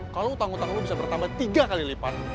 kalau utang utang ini bisa bertambah tiga kali lipat